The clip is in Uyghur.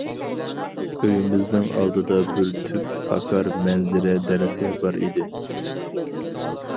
ئۆيىمىزنىڭ ئالدىدا بىر تۈپ پاكار مەنزىرە دەرىخى بار ئىدى.